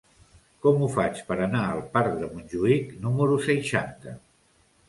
Com ho faig per anar al parc de Montjuïc número seixanta?